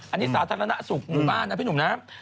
อันนี้สาธารณสุขหมู่บ้านนะพี่หนุ่มนะ